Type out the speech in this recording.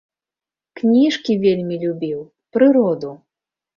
Кніжкі вельмі любіў, прыроду.